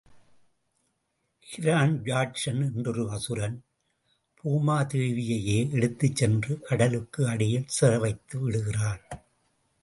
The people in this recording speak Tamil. ஹிரண்யாட்சன் என்றொரு அசுரன், பூமாதேவியையே எடுத்துச் சென்று கடலுக்கு அடியில் சிறை வைத்து விடுகிறான்.